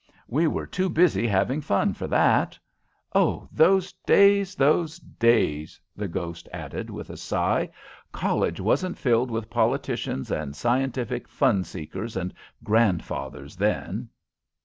We were too busy having fun for that. Oh, those days! those days!" the ghost added, with a sigh. "College wasn't filled with politicians and scientific fun seekers and grandfathers then."